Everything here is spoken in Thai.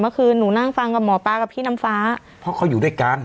เมื่อคืนหนูนั่งฟังกับหมอปลากับพี่น้ำฟ้าเพราะเขาอยู่ด้วยกัน